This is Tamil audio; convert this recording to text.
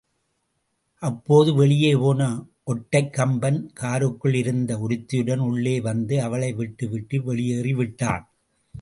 அப்போது வெளியே போன ஒட்டடைக் கம்பன், காருக்குள் இருந்த ஒருத்தியுடன் உள்ளே வந்து அவளை விட்டுவிட்டு, வெளியேறிவிட்டான்.